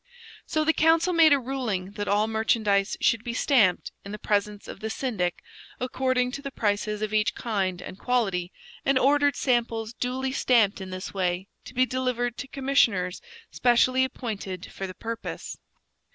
So the council made a ruling that all merchandise should be stamped, in the presence of the syndic, according to the prices of each kind and quality, and ordered samples duly stamped in this way to be delivered to commissioners specially appointed for the purpose.